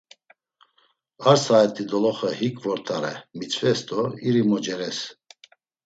A saat̆i doloxe hik vort̆are mitzves do iri moceres.